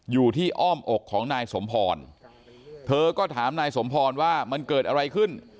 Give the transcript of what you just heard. อ้อมอกของนายสมพรเธอก็ถามนายสมพรว่ามันเกิดอะไรขึ้น